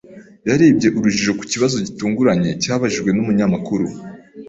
Yarebye urujijo ku kibazo gitunguranye cyabajijwe n’umunyamakuru.